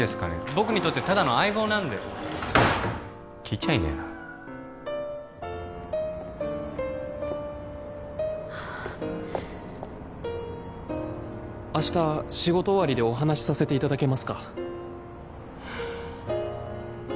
僕にとってただの相棒なんで聞いちゃいねえな「明日仕事終わりでお話させていただけますか？」